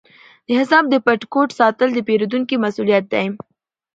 د حساب د پټ کوډ ساتل د پیرودونکي مسؤلیت دی۔